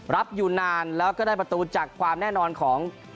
อยู่นานแล้วก็ได้ประตูจากความแน่นอนของ